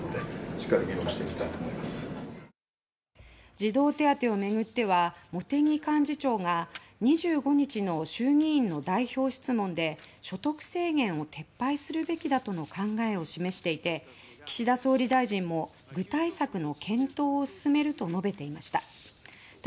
児童手当を巡っては茂木幹事長が２５日の衆議院の代表質問で所得制限を撤廃するべきだとの考えを示していて岸田総理大臣も具体策の検討を進めると述べていました。